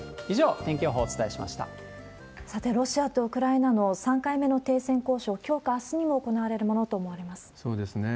以上、さて、ロシアとウクライナの３回目の停戦交渉、きょうかあすにも行われるものと思われます。